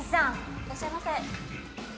いらっしゃいませ。